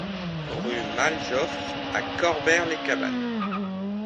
Rue Mal Joffre à Corbère-les-Cabanes